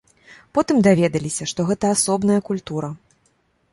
Потым даведаліся, што гэта асобная культура.